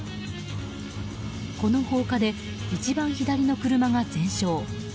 この放火で、一番左の車が全焼。